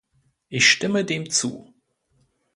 Ich stimme dem zu.